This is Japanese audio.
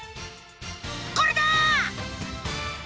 これだ！